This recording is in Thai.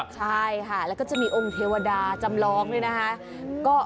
ใช่ค่ะแล้วก็จะมีองค์เทวดาจำลองด้วยนะคะ